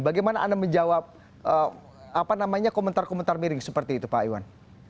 bagaimana anda menjawab komentar komentar miring seperti itu pak iwan